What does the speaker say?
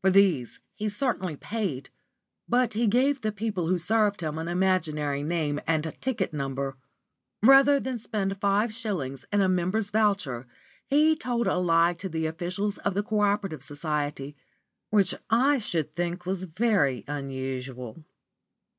For these he certainly paid, but he gave the people who served him an imaginary name and ticket number. Rather than spend five shillings in a member's voucher, he told a lie to the officials of the Co operative Society; which I should think was very unusual.